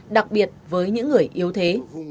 đặc biệt với những người yếu thế